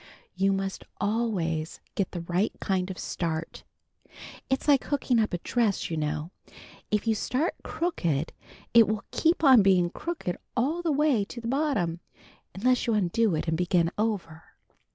You must always get the right kind of start. It's like hooking up a dress, you know. If you start crooked it will keep on being crooked all the way down to the bottom, unless you undo it and begin over.